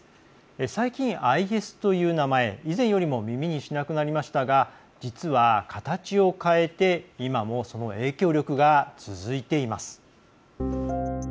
最近、ＩＳという名前以前よりも耳にしなくなりましたが実は、形を変えて今もその影響力が続いています。